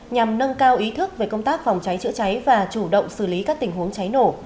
nhằm nâng cao ý thức về công tác phòng cháy chữa cháy và chủ động xử lý các tình huống cháy nổ